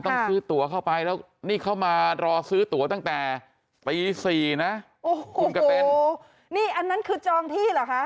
ต้องซื้อตัวเข้าไปแล้วนี่เขามารอซื้อตัวตั้งแต่ตีสี่นะโอ้โหคงจะเป็นโอ้นี่อันนั้นคือจองที่เหรอคะ